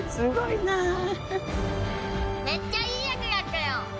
めっちゃいいやつだったよ！